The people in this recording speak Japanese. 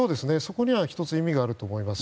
１つ意味があると思います。